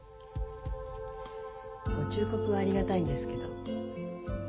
ご忠告はありがたいんですけど今はちょっと。